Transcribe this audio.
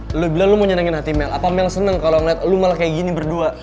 lu bilang lu mau nyenengin hati mel apa mel seneng kalo ngeliat lu malah kayak gini berdua